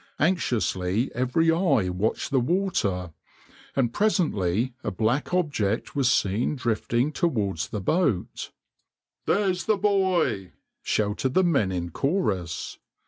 Anxiously every eye watched the water, and presently a black object was seen drifting towards the boat. "There's the boy!" shouted the men in chorus.